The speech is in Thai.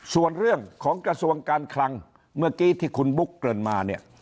ส่วนเรื่องของกระทรวงการคลังเมื่อกี้ที่คุณบุ๊กเกริ่นมาเนี่ย